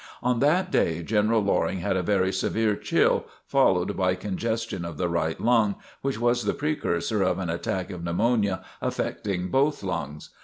On that day General Loring had a very severe chill followed by congestion of the right lung, which was the precursor of an attack of pneumonia affecting both lungs.